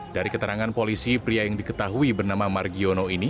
dari keterangan polisi pria yang diketahui bernama margiono ini